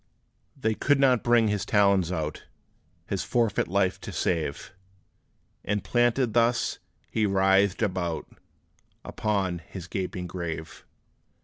They could not bring his talons out, His forfeit life to save; And planted thus, he writhed about Upon his gaping grave.